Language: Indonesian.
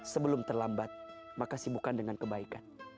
sebelum terlambat maka sibukkan dengan kebaikan